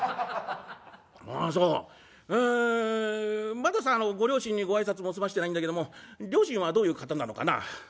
まずはさご両親にご挨拶も済ましてないんだけども両親はどういう方なのかな？」。